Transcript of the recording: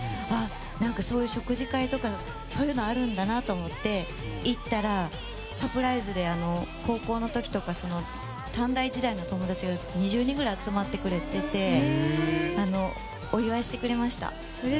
何かそういう食事会とかあるんだなと思って行ったらサプライズで高校の時とか短大時代の友達が２０人くらい集まってくれててお祝いしてくれました。